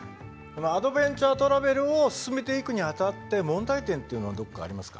アドベンチャートラベルを進めていくにあたって問題点っていうのはどこかありますか？